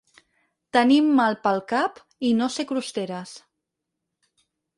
Tenir mal pel cap i no ser crosteres.